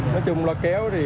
nói chung loa kéo thì